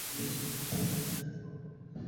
তিনি স্ট্যানফোর্ড বিশ্ববিদ্যালয়ের ইমেরিটাস অধ্যাপক।